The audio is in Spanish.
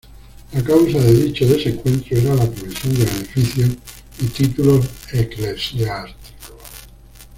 La causa de dicho desencuentro era la provisión de beneficios y títulos eclesiásticos.